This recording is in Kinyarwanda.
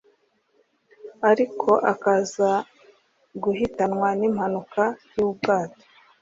ariko akaza guhitanwa n'impanuka y'ubwato